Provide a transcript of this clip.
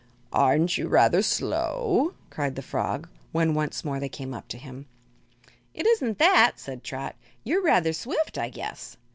"Aren't you rather slow?" asked the frog, when once more they came up to him. "It isn't that," said Trot. "You are rather swift, I guess."